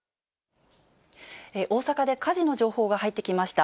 大阪で火事の情報が入ってきました。